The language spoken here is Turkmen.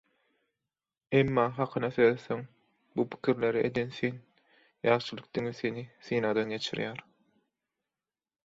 Emma hakyna seretseň, bu pikirleri eden sen, ýagşylyk diňe seni synagdan geçirýär.